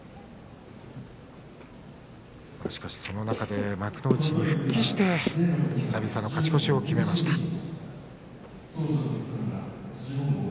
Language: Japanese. しかしその中で幕内に復帰して久々の勝ち越しを決めました。